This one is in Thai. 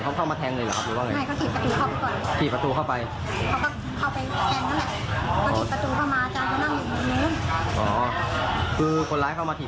เพราะว่าไปยุ่งกับเมียเขาเพื่ออะไรก็ไม่ได้